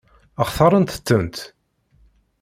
Xtaṛent-tent?